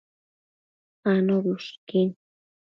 Anobi ushquin